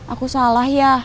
aku salah ya